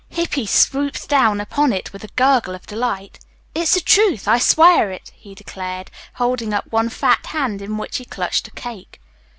Hippy swooped down upon it with a gurgle of delight. "It's the truth. I swear it," he declared, holding up one fat hand in which he clutched a cake.